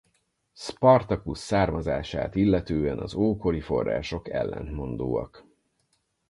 Spartacus származását illetően az ókori források ellentmondóak.